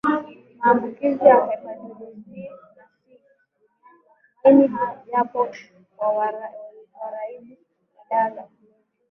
maambukizi ya Hepatatis B na C dunianiMatumaini yapo kwa waraibu wa dawa za kulevya